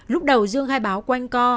lúc đầu dương khai báo quanh co